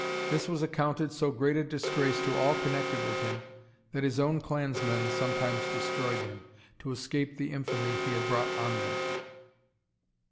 This was accounted so great a disgrace to all connected with him, that his own clansmen sometimes destroyed him, to escape the infamy he had brought on them.